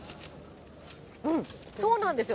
そうなんですよ。